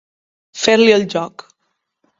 Fer-li el joc.